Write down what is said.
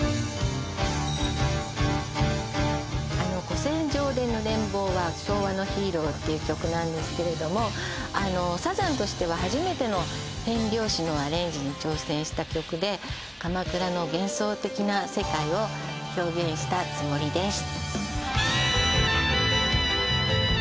「古戦場で濡れん坊は昭和のＨｅｒｏ」っていう曲なんですけれどもあのサザンとしては初めての変拍子のアレンジに挑戦した曲で鎌倉の幻想的な世界を表現したつもりです